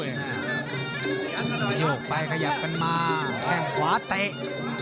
โยกไปขยับกันมาแข้งขวาเตะ